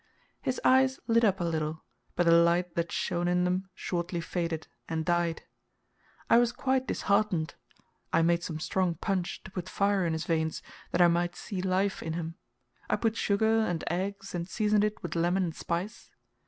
His eyes lit up a little, but the light that shone in them shortly faded, and died. I was quite disheartened. I made some strong punch, to put fire in his veins, that I might see life in him. I put sugar, and eggs, and seasoned it with lemon and spice.